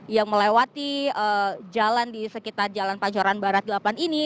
yang melewati jalan di sekitar jalan pancoran barat delapan ini